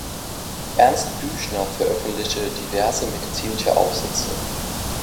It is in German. Ernst Büchner veröffentlichte diverse medizinische Aufsätze.